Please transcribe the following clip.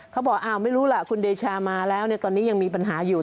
เขาบอกอ้าวไม่รู้ล่ะคุณเดชามาแล้วตอนนี้ยังมีปัญหาอยู่